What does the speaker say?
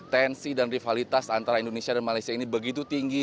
tensi dan rivalitas antara indonesia dan malaysia ini begitu tinggi